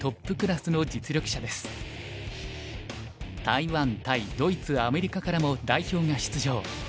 台湾タイドイツアメリカからも代表が出場。